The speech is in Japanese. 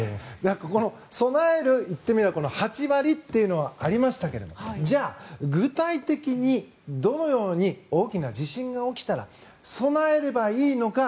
ここの備える、言ってみれば８割というのがありましたがじゃあ、具体的にどのように大きな地震が起きたら備えればいいのか。